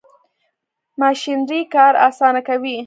ماشینري کار اسانه کوي.